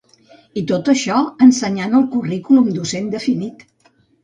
I tot això ensenyant el currículum docent definit.